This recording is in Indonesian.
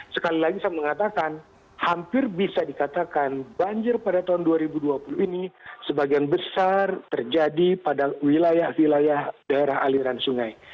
sekali lagi saya mengatakan hampir bisa dikatakan banjir pada tahun dua ribu dua puluh ini sebagian besar terjadi pada wilayah wilayah daerah aliran sungai